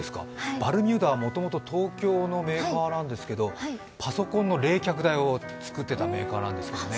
バルミューダはもともと東京のメーカーなんですけどパソコンの冷却台を作ってたメーカーなんですよね。